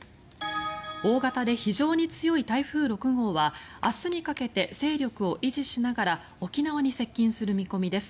大型で非常に強い台風６号は明日にかけて勢力を維持しながら沖縄に接近する見込みです。